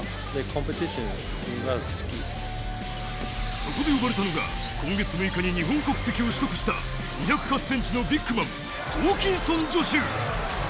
そこで呼ばれたのが今月６日に日本国籍を取得した２０８ｃｍのビッグマン、ホーキンソン・ジョシュ。